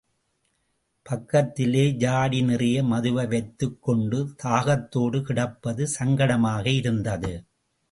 பக்கத்திலே ஜாடி நிறைய மதுவை வைத்துக் கொண்டு, தாகத்தோடு கிடப்பது சங்கடமாக இருந்தது.